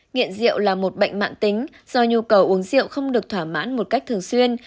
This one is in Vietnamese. nghiện rượu là một bệnh mạng tính do nhu cầu uống rượu không được thỏa mãn một cách thường xuyên